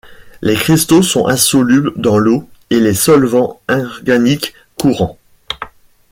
Les cristaux sont insolubles dans l'eau et les solvants organiques courants.